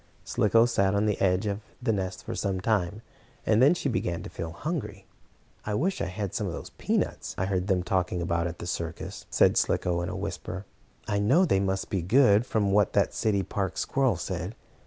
Slicko sat on the edge of the nest for some time, and then she began to feel hungry. "I wish I had some of those peanuts I heard them talking about in the circus," said Slicko in a whisper. "I know they must be good, from what that city park squirrel said.